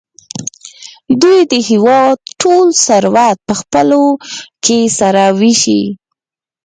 دوی د هېواد ټول ثروت په خپلو کې سره وېشي.